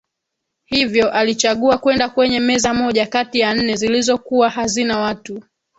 Hivyo alichagua kwenda kwenye meza moja kati ya nne zilizokuwa hazina watu